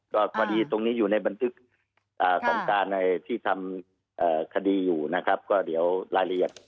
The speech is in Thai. ตรงนี้อยู่ในบันทึกของการที่ทำคดีอยู่เดี๋ยวรายละเอียด